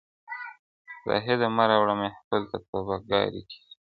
زاهده مه راوړه محفل ته توبه ګاري کیسې!